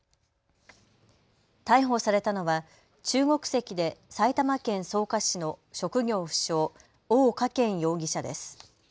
逮捕されたのは中国籍で埼玉県草加市の職業不詳、翁華萱容疑者です。